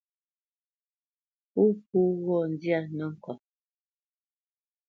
Pó po ghɔ̂ nzyâ nəŋkɔt.